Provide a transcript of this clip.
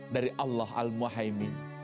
dari allah al muhaimin